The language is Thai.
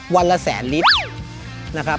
วันละแสนลิตร